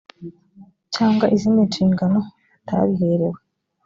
cyangwa izindi nshingano atabiherewe